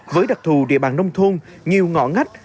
với đặc thù địa bàn nông thôn nhiều ngõ ngách